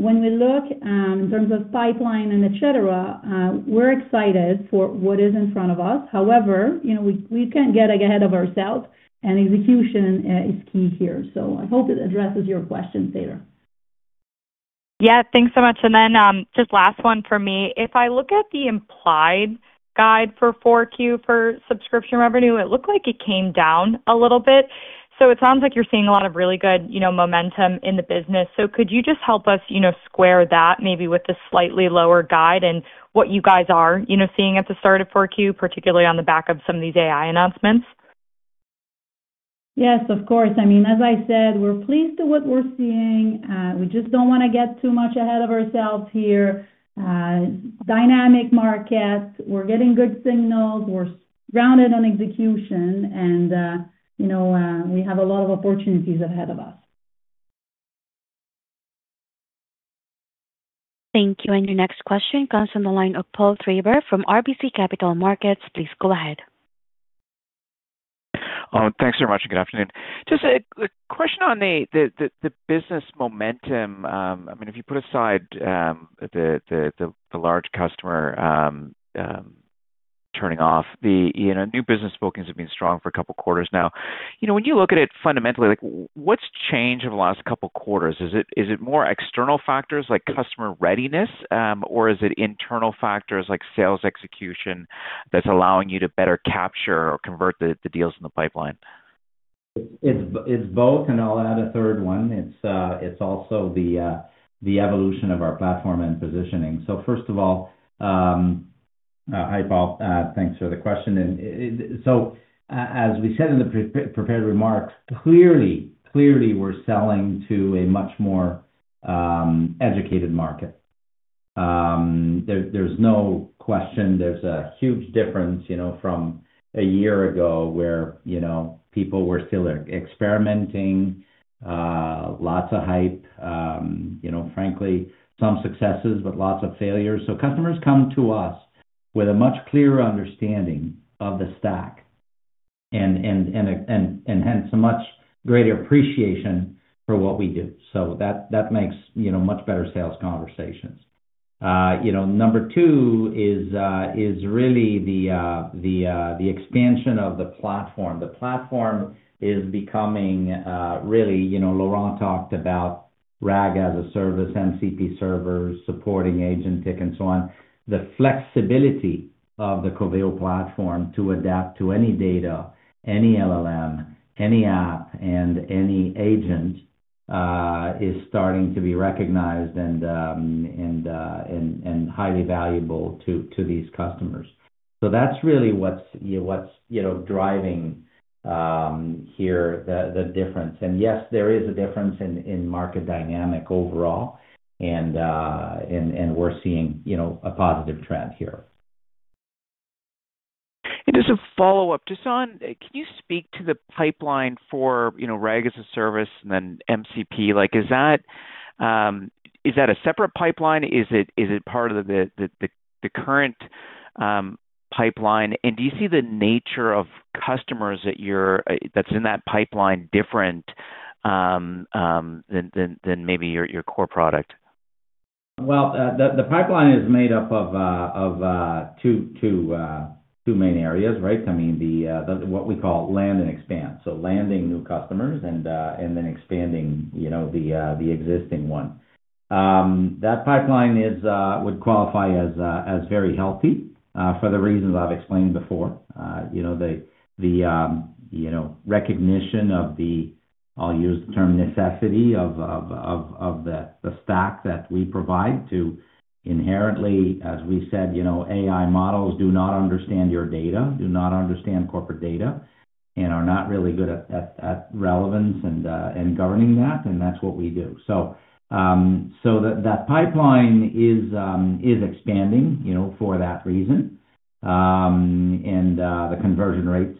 When we look in terms of pipeline and etc., we're excited for what is in front of us. However, we can't get ahead of ourselves, and execution is key here. So I hope it addresses your question, Taylor. Yeah, thanks so much. Then just last one for me. If I look at the implied guide for 4Q for subscription revenue, it looked like it came down a little bit. So it sounds like you're seeing a lot of really good momentum in the business. So could you just help us square that maybe with the slightly lower guide and what you guys are seeing at the start of 4Q, particularly on the back of some of these AI announcements? Yes, of course. I mean, as I said, we're pleased with what we're seeing. We just don't want to get too much ahead of ourselves here. Dynamic market. We're getting good signals. We're grounded on execution, and we have a lot of opportunities ahead of us. Thank you. And your next question comes from the line of Paul Treiber from RBC Capital Markets. Please go ahead. Thanks very much. Good afternoon. Just a question on the business momentum. I mean, if you put aside the large customer turning off, the new business bookings have been strong for a couple of quarters now. When you look at it fundamentally, what's changed over the last couple of quarters? Is it more external factors like customer readiness, or is it internal factors like sales execution that's allowing you to better capture or convert the deals in the pipeline? It's both, and I'll add a third one. It's also the evolution of our platform and positioning. So first of all, hi, Paul. Thanks for the question. And so as we said in the prepared remarks, clearly, we're selling to a much more educated market. There's no question. There's a huge difference from a year ago where people were still experimenting, lots of hype, frankly, some successes, but lots of failures. So customers come to us with a much clearer understanding of the stack and hence a much greater appreciation for what we do. So that makes much better sales conversations. Number two is really the expansion of the platform. The platform is becoming really what Laurent talked about: RAG as a Service, MCP servers, supporting agentic, and so on. The flexibility of the Coveo platform to adapt to any data, any LLM, any app, and any agent is starting to be recognized and highly valuable to these customers. So that's really what's driving here the difference. And yes, there is a difference in market dynamics overall, and we're seeing a positive trend here. And just a follow-up. Just on, can you speak to the pipeline for RAG as a Service and then MCP? Is that a separate pipeline? Is it part of the current pipeline? And do you see the nature of customers that's in that pipeline different than maybe your core product? Well, the pipeline is made up of two main areas, right? I mean, what we call land and expand. So landing new customers and then expanding the existing one. That pipeline would qualify as very healthy for the reasons I've explained before. The recognition of the, I'll use the term, necessity of the stack that we provide to inherently, as we said, AI models do not understand your data, do not understand corporate data, and are not really good at relevance and governing that, and that's what we do. So that pipeline is expanding for that reason. And the conversion rates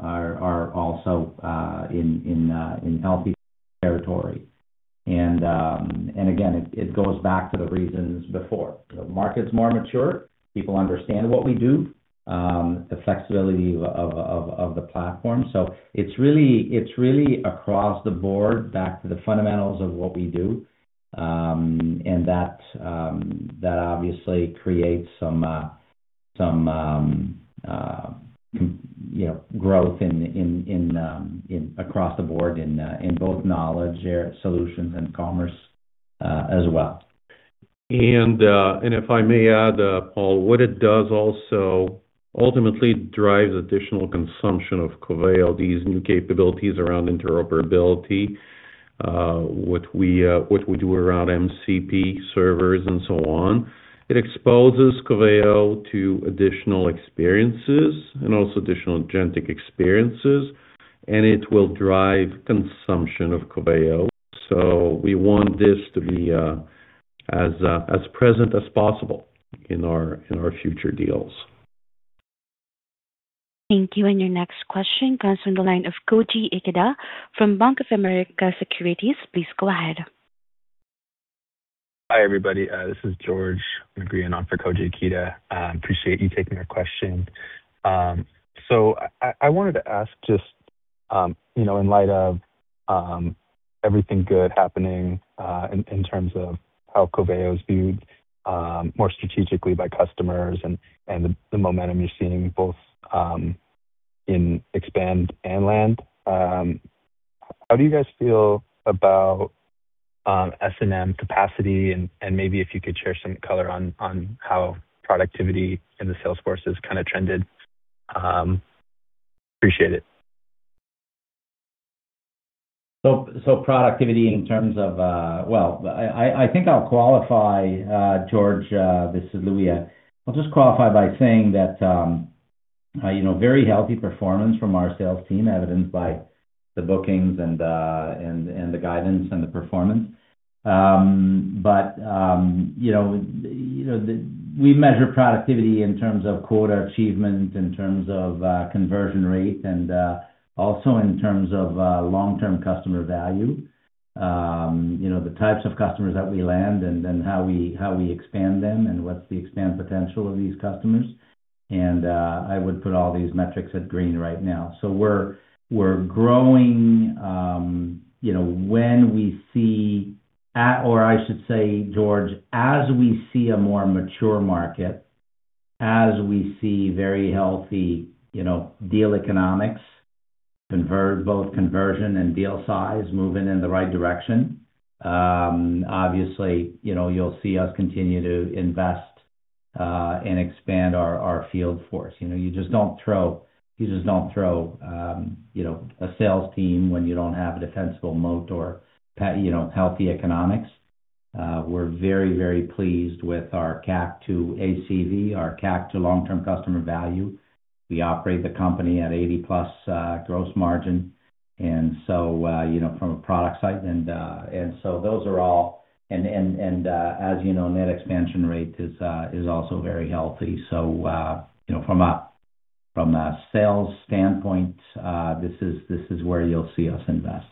are also in healthy territory. And again, it goes back to the reasons before. The market's more mature. People understand what we do, the flexibility of the platform. So it's really across the board, back to the fundamentals of what we do. And that obviously creates some growth across the board in both knowledge, solutions, and commerce as well. And if I may add, Paul, what it does also ultimately drives additional consumption of Coveo, these new capabilities around interoperability, what we do around MCP servers, and so on. It exposes Coveo to additional experiences and also additional agentic experiences, and it will drive consumption of Coveo. So we want this to be as present as possible in our future deals. Thank you. And your next question comes from the line of Koji Ikeda from Bank of America Securities. Please go ahead. Hi, everybody. This is George agreeing on for Koji Ikeda. Appreciate you taking our question. So I wanted to ask just in light of everything good happening in terms of how Coveo is viewed more strategically by customers and the momentum you're seeing both in expand and land, how do you guys feel about S&M capacity? And maybe if you could share some color on how productivity in the sales force has kind of trended. Appreciate it. So productivity in terms of, well, I think I'll qualify, George, this is Laurent. I'll just qualify by saying that very healthy performance from our sales team evidenced by the bookings and the guidance and the performance. But we measure productivity in terms of quota achievement, in terms of conversion rate, and also in terms of long-term customer value, the types of customers that we land, and then how we expand them and what's the expand potential of these customers. And I would put all these metrics at green right now. So we're growing when we see, or I should say, George, as we see a more mature market, as we see very healthy deal economics, both conversion and deal size moving in the right direction, obviously, you'll see us continue to invest and expand our field force. You just don't throw a sales team when you don't have a defensible moat or healthy economics. We're very, very pleased with our CAC to ACV, our CAC to long-term customer value. We operate the company at 80+ gross margin. And so from a product side, and so those are all, and as you know, net expansion rate is also very healthy. So from a sales standpoint, this is where you'll see us invest.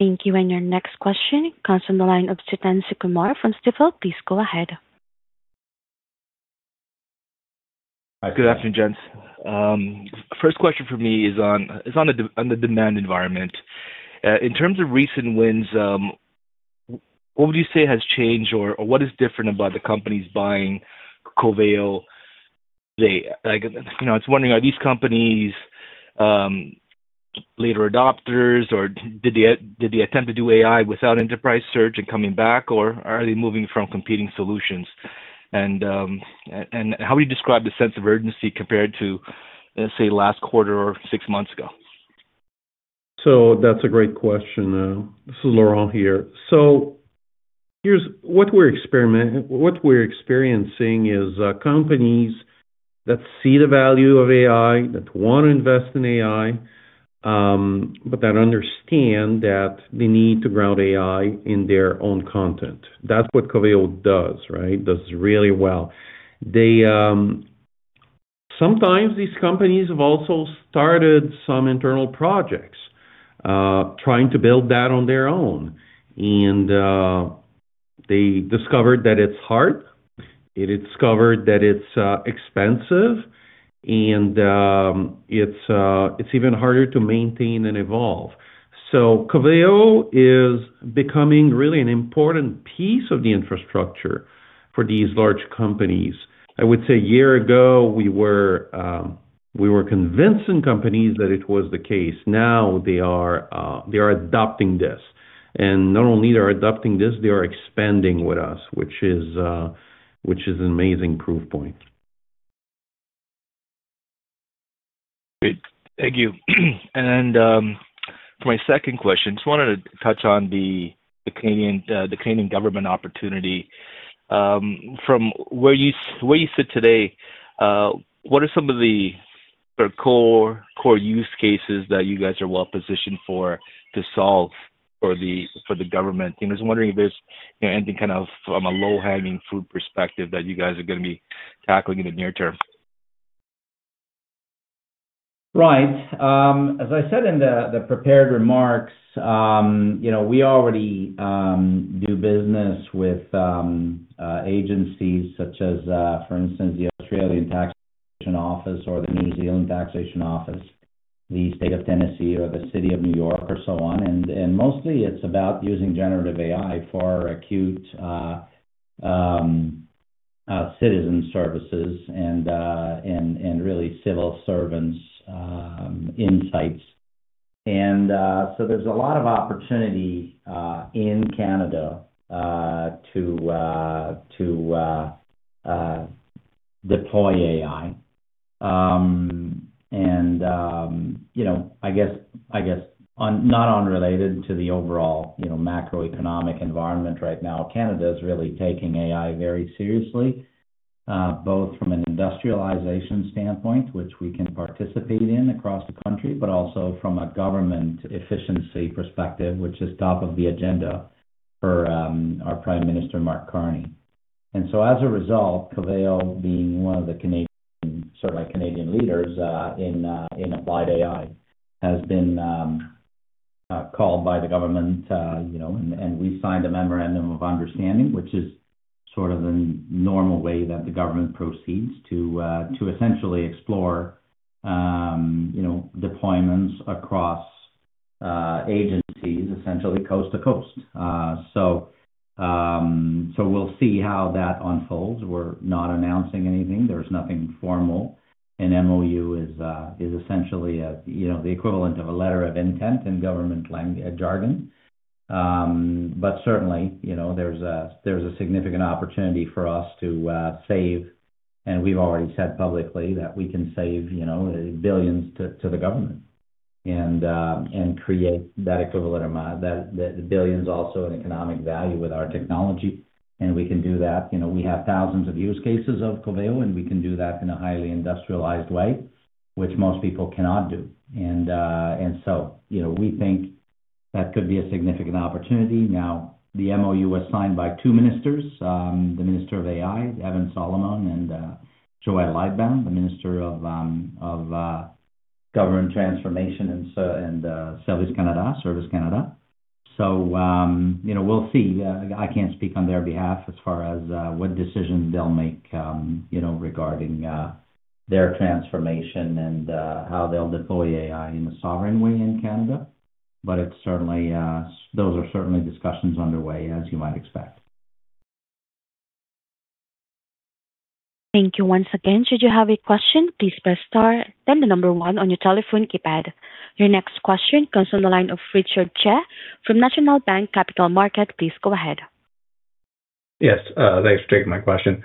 Thank you. And your next question comes from the line of Suthan Sukumar from Stifel. Please go ahead. Good afternoon, gents. First question for me is on the demand environment. In terms of recent wins, what would you say has changed or what is different about the companies buying Coveo today? I was wondering, are these companies later adopters, or did they attempt to do AI without enterprise search and coming back, or are they moving from competing solutions? And how would you describe the sense of urgency compared to, say, last quarter or six months ago? So that's a great question. This is Laurent here. So what we're experiencing is companies that see the value of AI, that want to invest in AI, but that understand that they need to ground AI in their own content. That's what Coveo does, right? Does really well. Sometimes these companies have also started some internal projects trying to build that on their own. And they discovered that it's hard. It's covered that it's expensive, and it's even harder to maintain and evolve. So Coveo is becoming really an important piece of the infrastructure for these large companies. I would say a year ago, we were convincing companies that it was the case. Now they are adopting this. And not only they are adopting this, they are expanding with us, which is an amazing proof point. Great. Thank you. And for my second question, just wanted to touch on the Canadian government opportunity. From where you sit today, what are some of the core use cases that you guys are well positioned for to solve for the government? I was wondering if there's anything kind of from a low-hanging fruit perspective that you guys are going to be tackling in the near term. Right. As I said in the prepared remarks, we already do business with agencies such as, for instance, the Australian Taxation Office or the New Zealand Taxation Office, the State of Tennessee or the City of New York or so on. Mostly, it's about using generative AI for acute citizen services and really civil servants' insights. So there's a lot of opportunity in Canada to deploy AI. I guess not unrelated to the overall macroeconomic environment right now, Canada is really taking AI very seriously, both from an industrialization standpoint, which we can participate in across the country, but also from a government efficiency perspective, which is top of the agenda for our Prime Minister, Mark Carney. As a result, Coveo, being one of the Canadian leaders in applied AI, has been called by the government, and we signed a memorandum of understanding, which is sort of the normal way that the government proceeds to essentially explore deployments across agencies, essentially coast to coast. So we'll see how that unfolds. We're not announcing anything. There's nothing formal. An MOU is essentially the equivalent of a letter of intent in government jargon. But certainly, there's a significant opportunity for us to save, and we've already said publicly that we can save billions to the government and create that equivalent amount, the billions also in economic value with our technology. And we can do that. We have thousands of use cases of Coveo, and we can do that in a highly industrialized way, which most people cannot do. We think that could be a significant opportunity. Now, the MOU was signed by two ministers, the Minister of AI, Evan Solomon, and Joël Lightbound, the Minister of Government Transformation and Service Canada. So we'll see. I can't speak on their behalf as far as what decision they'll make regarding their transformation and how they'll deploy AI in a sovereign way in Canada. But those are certainly discussions underway, as you might expect. Thank you once again. Should you have a question, please press star, then one on your telephone keypad. Your next question comes from the line of Richard Tse from National Bank Financial. Please go ahead. Yes. Thanks for taking my question.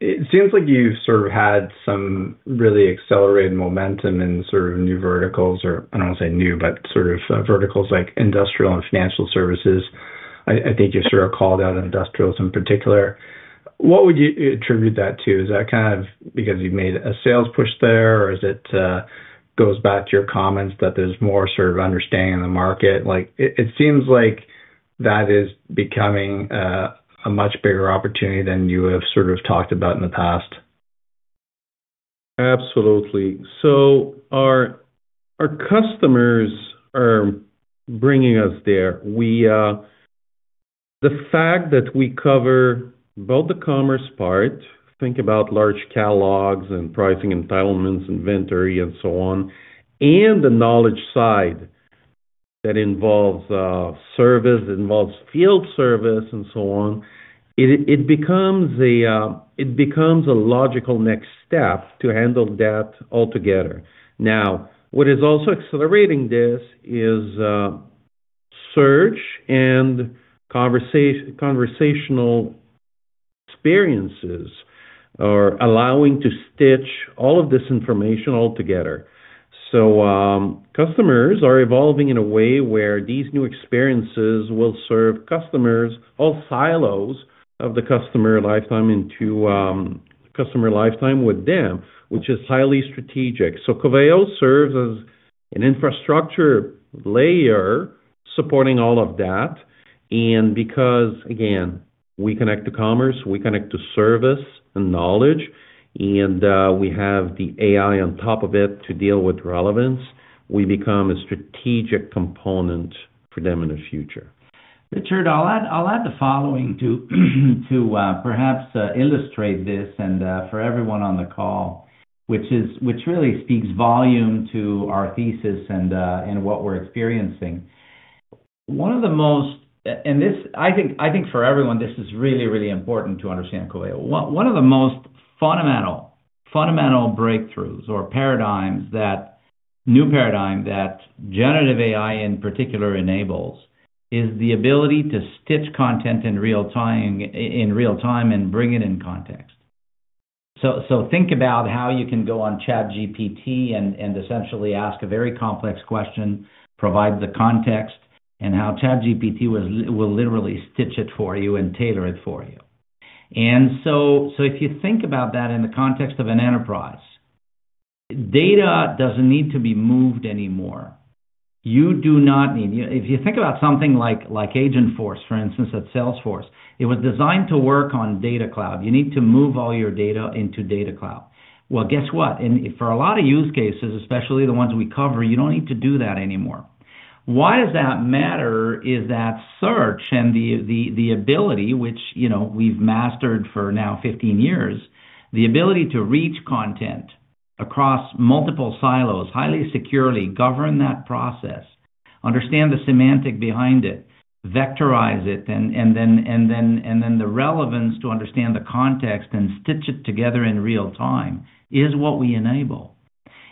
It seems like you've sort of had some really accelerated momentum in sort of new verticals, or I don't want to say new, but sort of verticals like industrial and financial services. I think you sort of called out industrials in particular. What would you attribute that to? Is that kind of because you've made a sales push there, or is it goes back to your comments that there's more sort of understanding in the market? It seems like that is becoming a much bigger opportunity than you have sort of talked about in the past. Absolutely. So our customers are bringing us there. The fact that we cover both the commerce part, think about large catalogs and pricing entitlements and inventory and so on, and the knowledge side that involves service, that involves field service and so on, it becomes a logical next step to handle that altogether. Now, what is also accelerating this is search and conversational experiences are allowing to stitch all of this information altogether. So customers are evolving in a way where these new experiences will serve customers, all silos of the customer lifetime into customer lifetime with them, which is highly strategic. So Coveo serves as an infrastructure layer supporting all of that. And because, again, we connect to commerce, we connect to service and knowledge, and we have the AI on top of it to deal with relevance, we become a strategic component for them in the future. Richard, I'll add the following to perhaps illustrate this and for everyone on the call, which really speaks volume to our thesis and what we're experiencing. One of the most, and I think for everyone, this is really, really important to understand Coveo. One of the most fundamental breakthroughs or paradigms that generative AI in particular enables is the ability to stitch content in real time and bring it in context. So think about how you can go on ChatGPT and essentially ask a very complex question, provide the context, and how ChatGPT will literally stitch it for you and tailor it for you. And so if you think about that in the context of an enterprise, data doesn't need to be moved anymore. You do not need if you think about something like Agentforce, for instance, at Salesforce; it was designed to work on Data Cloud. You need to move all your data into Data Cloud. Well, guess what? And for a lot of use cases, especially the ones we cover, you don't need to do that anymore. Why does that matter is that search and the ability, which we've mastered for now 15 years, the ability to reach content across multiple silos, highly securely govern that process, understand the semantic behind it, vectorize it, and then the relevance to understand the context and stitch it together in real time is what we enable.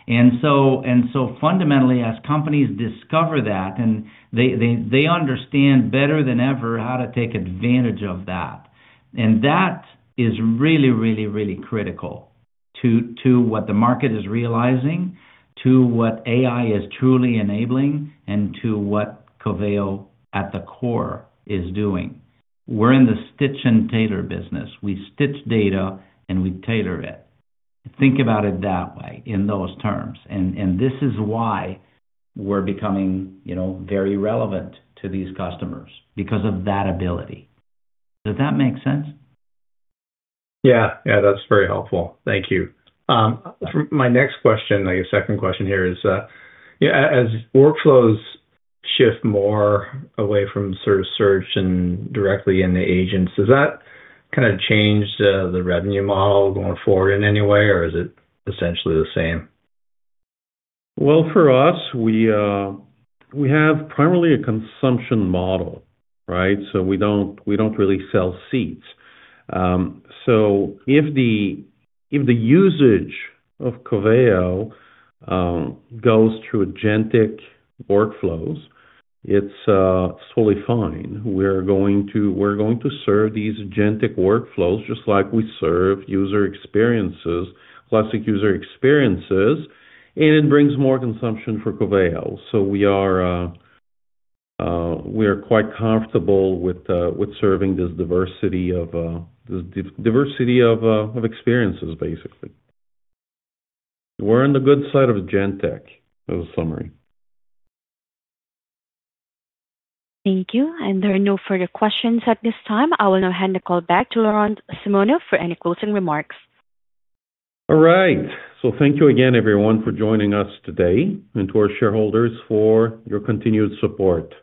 And so fundamentally, as companies discover that and they understand better than ever how to take advantage of that, and that is really, really, really critical to what the market is realizing, to what AI is truly enabling, and to what Coveo at the core is doing. We're in the stitch and tailor business. We stitch data and we tailor it. Think about it that way in those terms. And this is why we're becoming very relevant to these customers because of that ability. Does that make sense? Yeah. Yeah. That's very helpful. Thank you. My next question, my second question here is, as workflows shift more away from sort of search and directly in the agents, does that kind of change the revenue model going forward in any way, or is it essentially the same? Well, for us, we have primarily a consumption model, right? So we don't really sell seats. So if the usage of Coveo goes through agentic workflows, it's totally fine. We're going to serve these agentic workflows just like we serve user experiences, classic user experiences, and it brings more consumption for Coveo. So we are quite comfortable with serving this diversity of experiences, basically. We're on the good side of agentic as a summary. Thank you. And there are no further questions at this time. I will now hand the call back to Laurent Simoneau for any closing remarks. All right. Thank you again, everyone, for joining us today and to our shareholders for your continued support.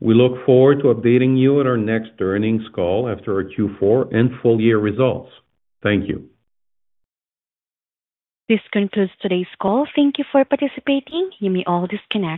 We look forward to updating you at our next earnings call after our Q4 and full year results. Thank you. This concludes today's call. Thank you for participating. You may all disconnect.